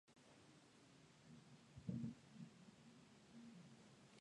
リオグランデ・ド・スル州の州都はポルト・アレグレである